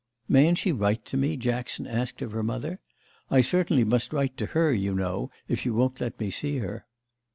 "Mayn't she write to me?" Jackson asked of her mother. "I certainly must write to her, you know, if you won't let me see her.".